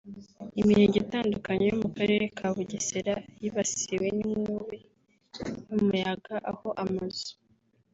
Imirenge itandukanye yo mu karere ka Bugesera yibasiwe n’inkubi y’umuyaga aho amazu